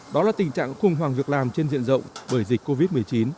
đó là tình trạng khủng hoảng việc làm trên diện rộng bởi dịch covid một mươi chín